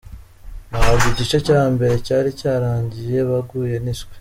Nabwo igice cya mbere cyari cyarangiye baguye niswi.